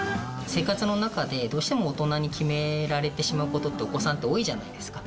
生活の中でどうしても大人に決められてしまう事ってお子さんって多いじゃないですか。